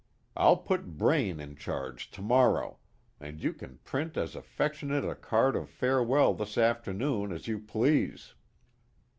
I'll put Braine in charge to morrow, and you can print as affectionate a card of farewell this afternoon, as you please.